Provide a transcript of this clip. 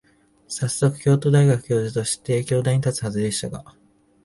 さっそく、京都大学教授として教壇に立つはずでしたが、